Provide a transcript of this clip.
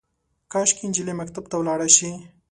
کاشکي، نجلۍ مکتب ته ولاړه شي